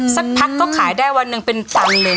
สักพักก็ขายได้วันหนึ่งเป็นตันเลย